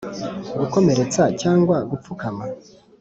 gukomeretsa cyangwa gupfukama?